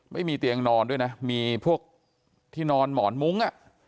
ไม่มีเตียงนอนด้วยนะมีพวกที่นอนหมอนมุ้ง